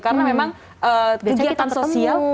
karena memang kegiatan sosial